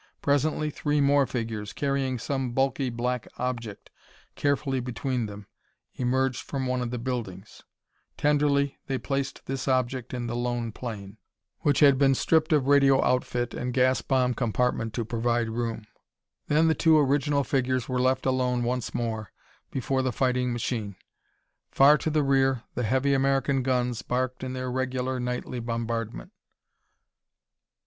Presently three more figures, carrying some bulky black object carefully between them, emerged from one of the buildings. Tenderly they placed this object in the lone plane, which had been stripped of radio outfit and gas bomb compartment to provide room. Then the two original figures were left alone once more before the fighting machine. Far to the rear, the heavy American guns barked in their regular nightly bombardment.